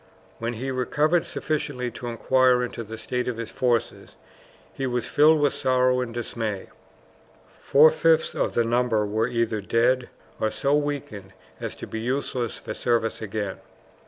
When he recovered sufficiently to inquire into the state of his forces, he was filled with sorrow and dismay. Four fifths of the number were either dead or so weakened as to be useless for service again.